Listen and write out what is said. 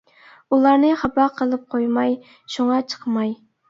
ئۇلارنى خاپا قىلىپ قويماي، شۇڭا چىقماي!